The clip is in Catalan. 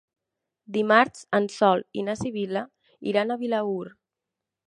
Dimarts en Sol i na Sibil·la iran a Vilaür.